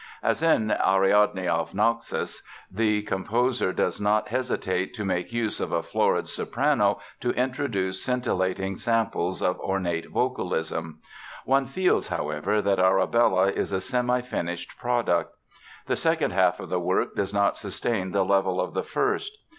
As in Ariadne auf Naxos the composer does not hesitate to make use of a florid soprano to introduce scintillating samples of ornate vocalism. One feels, however, that Arabella is a semi finished product. The second half of the work does not sustain the level of the first.